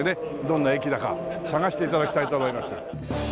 どんな駅だか探して頂きたいと思います。